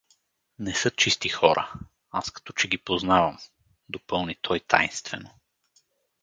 — Не са чисти хора… аз като че ги познавам — допълни той тайнствено.